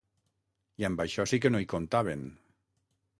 I amb això sí que no hi comptaven.